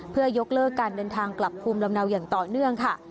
เพื่อยกเลิกการเดินทางกลับภูมิลำเนาอย่างต่อเนื่องค่ะ